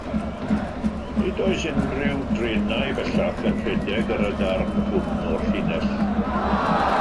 Nid oes unrhyw drenau bellach yn rhedeg ar y darn hwn o'r llinell.